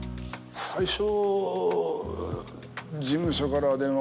最初。